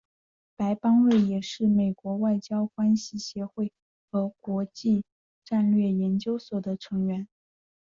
白邦瑞也是美国外交关系协会和国际战略研究所的成员。